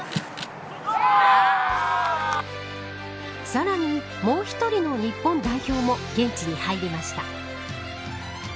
さらにもう１人の日本代表も現地に入りました。